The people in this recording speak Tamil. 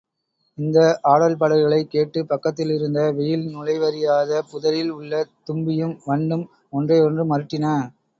இந்த ஆடல் பாடல்களைக் கேட்டுப் பக்கத்திலிருந்த வெயில் நுழைவறியாத புதரில் உள்ள தும்பியும் வண்டும் ஒன்றையொன்று மருட்டின.